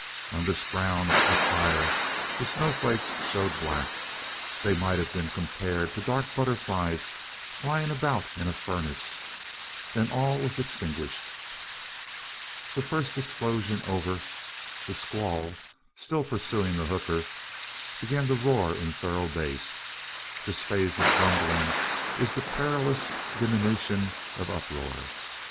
On this ground of fire the snow flakes showed black they might have been compared to dark butterflies flying about in a furnace then all was extinguished. The first explosion over, the squall, still pursuing the hooker, began to roar in thorough bass. This phase of grumbling is a perilous diminution of uproar.